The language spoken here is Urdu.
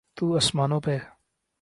تو آسمانوں پہ۔